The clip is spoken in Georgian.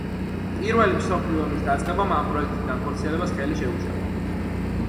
პირველი მსოფლიო ომის დაწყებამ ამ პროექტის განხორციელებას ხელი შეუშალა.